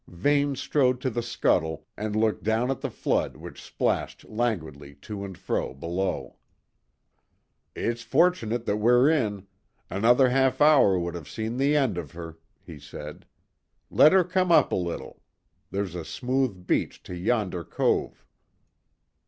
Vane strode to the scuttle and looked down at the flood which splashed languidly to and fro below. "It's fortunate that we're in. Another half hour would have seen the end of her," he said. "Let her come up a little. There's a smooth beach to yonder cove."